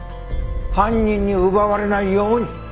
犯人に奪われないように。